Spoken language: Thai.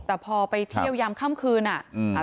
แต่พอไปเที่ยวยามค่ำคืนอ่ะ